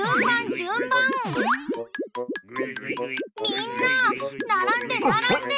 みんなならんでならんで。